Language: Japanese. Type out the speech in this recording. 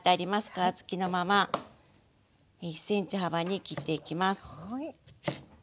皮つきのまま１ｃｍ幅に切っていきます。